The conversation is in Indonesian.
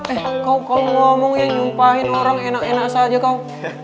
eh kau kok ngomongnya nyumpahin orang enak enak saja kau